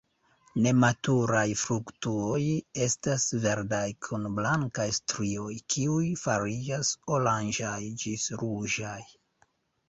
Nematuraj fruktoj estas verdaj kun blankaj strioj, kiuj fariĝas oranĝaj ĝis ruĝaj.